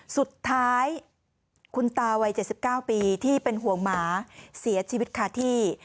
สุดท้ายคุณตาวัย๗๙ปีที่เป็นห่วงหมาเสียชีวิตคาที่